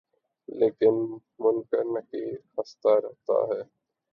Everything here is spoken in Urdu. لیکن منکر نکیر ہستہ رہتا ہے